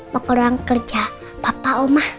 mau ke ruang kerja papa omah